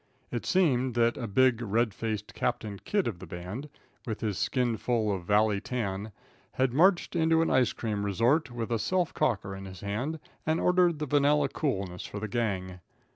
It seemed that a big, red faced Captain Kidd of the band, with his skin full of valley tan, had marched into an ice cream resort with a self cocker in his hand, and ordered the vanilla coolness for the gang.